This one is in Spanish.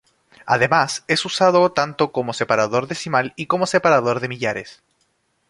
Además es usado tanto como separador decimal y como separador de millares.